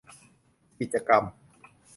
กิจกรรม